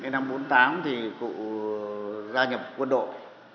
năm một nghìn chín trăm bốn mươi tám thì cụ gia nhập quân đội